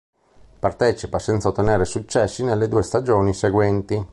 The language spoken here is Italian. Partecipa senza ottenere successi nelle due stagioni seguenti.